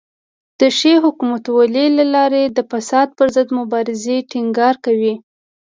د ښې حکومتولۍ له لارې د فساد پر ضد مبارزې ټینګار کوي.